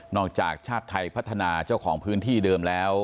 จากชาติไทยพัฒนาเจ้าของพื้นที่เดิมแล้ว